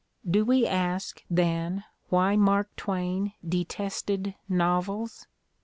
Do we ask, then, why ' Mark Twain "detested" novels?